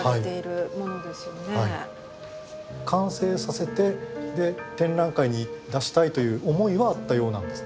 完成させて展覧会に出したいという思いはあったようなんですね。